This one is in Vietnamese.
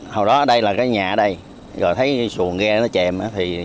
hồi đó ở đây là cái nhà ở đây rồi thấy xuồng ghe nó chèm